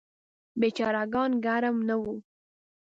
بیچاره ګان ګرم نه وو.